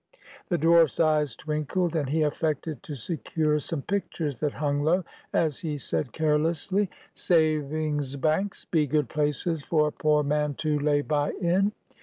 The dwarf's eyes twinkled, and he affected to secure some pictures that hung low, as he said carelessly,— "Savings banks be good places for a poor man to lay by in.